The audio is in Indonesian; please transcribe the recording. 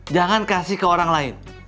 jangan kasih ke orang lain